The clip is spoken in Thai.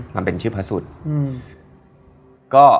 มาเป็นชื่อพระสุธน์